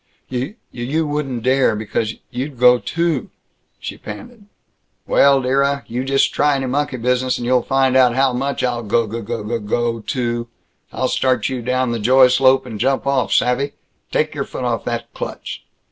"Y you wouldn't dare, because you'd g go, too!" she panted. "Well, dearuh, you just try any monkey business and you'll find out how much I'll gggggggo too! I'll start you down the joy slope and jump off, savvy? Take your foot off that clutch."